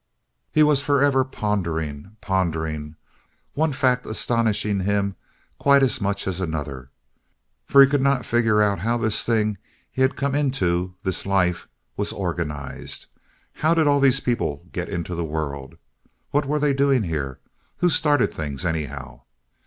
He was forever pondering, pondering—one fact astonishing him quite as much as another—for he could not figure out how this thing he had come into—this life—was organized. How did all these people get into the world? What were they doing here? Who started things, anyhow?